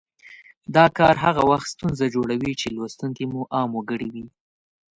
دا کار هغه وخت ستونزه جوړوي چې لوستونکي مو عام وګړي وي